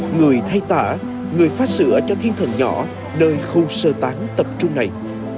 người thay tả người phát sửa cho thiên thần nhỏ nơi khu sơ tán tập trung này